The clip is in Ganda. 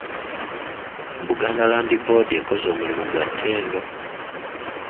Buganda Land Board ekoze omulimu gwa ttendo.